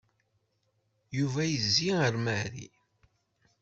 Yuba yezzi ar Mary.